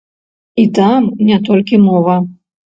І там не толькі мова.